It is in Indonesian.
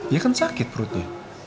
ya kan sakit perutnya